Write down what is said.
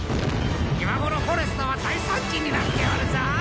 今頃フォレスタは大惨事になっておるぞ！